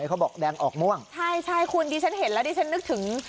เขาบอกแดงออกม่วงใช่ใช่คุณดิฉันเห็นแล้วดิฉันนึกถึง